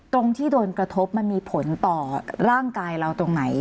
ตรงที่โดนกระทบมันมีผลต่อร่างกายเราตรงไหน